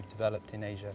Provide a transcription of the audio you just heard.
telah membangun di asia